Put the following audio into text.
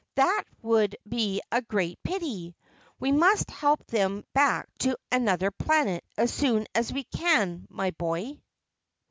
"That would be a great pity! We must help them back to Anuther Planet as soon as we can, my boy."